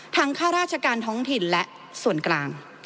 ข้าราชการท้องถิ่นและส่วนกลาง